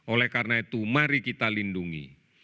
oleh karena itu mari kita lindungi